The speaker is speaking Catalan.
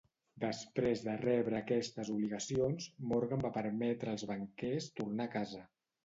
Després de rebre aquestes obligacions, Morgan va permetre als banquers tornar a casa.